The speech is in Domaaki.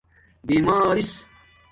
بیمارس